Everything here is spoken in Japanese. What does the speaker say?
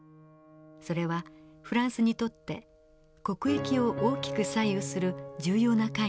それはフランスにとって国益を大きく左右する重要な会議でした。